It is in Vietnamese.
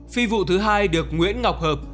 phi vụ thứ hai được nguyễn ngọc hợp